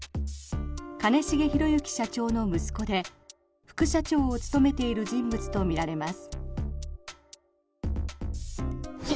兼重宏行社長の息子で副社長を務めている人物とみられます。